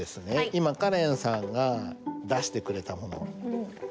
今カレンさんが出してくれたもの。